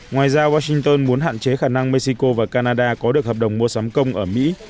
ngoài ra washington muốn hạn chế khả năng mexico và canada có được hợp đồng mua sắm công ở mỹ